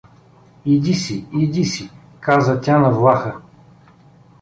— Иди си, иди си — каза тя на влаха.